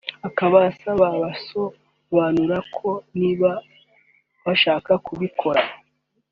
akaba asaba abasobanura ko niba bashaka kubikora